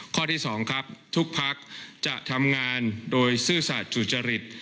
ข้อที่๒ครับทุกภาคจะทำงานโดยซื่อสจุจริต